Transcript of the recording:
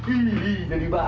ini jadi bahasa